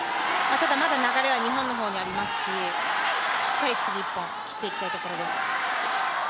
ただまだ流れは日本の方にありますししっかり次１本、切っていきたいところです。